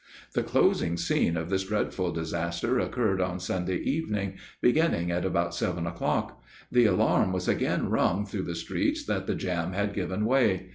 "The closing scene of this dreadful disaster occurred on Sunday evening, beginning at about seven o'clock. The alarm was again rung through the streets that the jam had given way.